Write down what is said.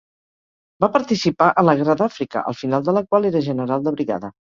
Va participar en la guerra d'Àfrica, al final de la qual era general de brigada.